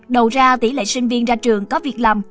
đầu ra tỷ lệ sinh viên ra trường có việc làm